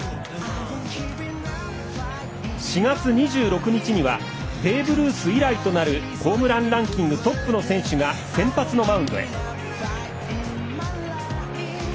４月２６日にはベーブ・ルース以来となるホームランランキングトップの選手が先発のマウンドへ。